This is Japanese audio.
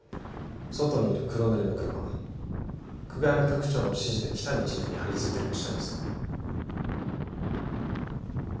外にいる黒塗りの車久我山局長の指示で喜多見チーフに張りついてる記者ですよね？